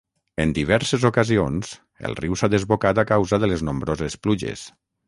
En diverses ocasions, el riu s'ha desbocat a causa de les nombroses pluges.